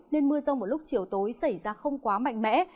nên mưa rông vào lúc chiều tối xảy ra không quá mạnh mẽ